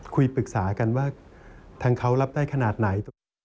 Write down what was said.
คุยปรึกษากันว่าทางเขารับได้ขนาดไหน